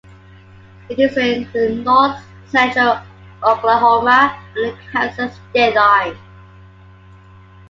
It is in north central Oklahoma on the Kansas state line.